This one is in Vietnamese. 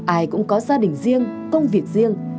ai cũng có gia đình riêng công việc riêng